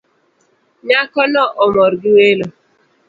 Nyako no omor gi welo